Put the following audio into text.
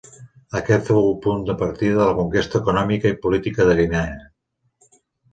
Aquest fou el punt de partida de la conquesta econòmica i política de Guinea.